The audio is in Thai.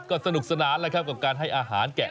ก็สนุกสนานแล้วครับกับการให้อาหารแกะ